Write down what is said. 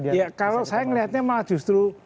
ya kalau saya melihatnya malah justru